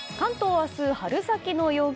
明日、春先の陽気。